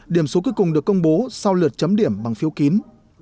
điểm số cuối cùng được công bố sau lượt chấm điểm bằng phiếu kín